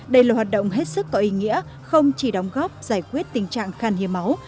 đây là hoạt động hết sức có ý nghĩa không chỉ đóng góp giải quyết tình trạng khan hiếm máu